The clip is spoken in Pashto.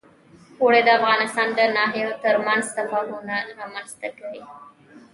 اوړي د افغانستان د ناحیو ترمنځ تفاوتونه رامنځ ته کوي.